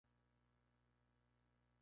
Es un clima de medio oceánico.